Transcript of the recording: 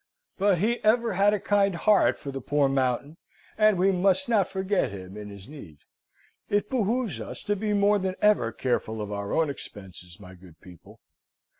But he ever had a kind heart for the poor Mountain; and we must not forget him in his need. It behoves us to be more than ever careful of our own expenses, my good people!"